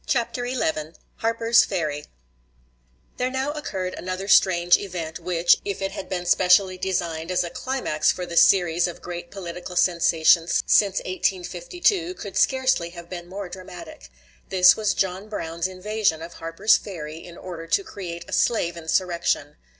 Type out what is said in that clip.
CHAPTER XI HARPER'S FERRY There now occurred another strange event which, if it had been specially designed as a climax for the series of great political sensations since 1852, could scarcely have been more dramatic. This was John Brown's invasion of Harper's Ferry in order to create a slave insurrection.